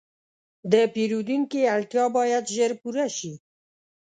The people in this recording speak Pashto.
د پیرودونکي اړتیا باید ژر پوره شي.